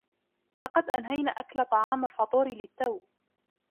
لقد أنهينا أكل طعام الفطور للتو.